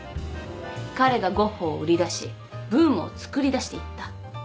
彼がゴッホを売り出しブームをつくりだしていった。